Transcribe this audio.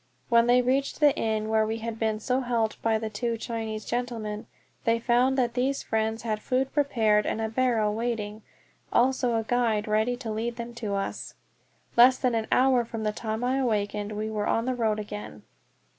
When they reached the inn where we had been so helped by the two Chinese gentlemen, they found that these friends had food prepared and a barrow waiting, also a guide ready to lead them to us! Less than an hour from the time I awakened we were on the road again.